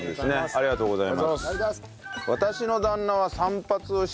ありがとうございます。